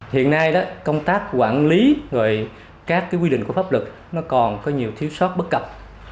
hiện nay công tác quản lý và các quy định của pháp lực còn có nhiều thiếu sót bất cập